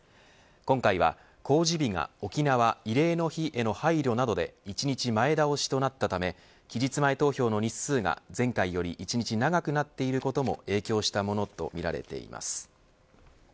今回は公示日が沖縄慰霊の日への配慮などで１日前倒しとなったため期日前投票の日数が前回より１日長くなっていることも影響したものとみられています。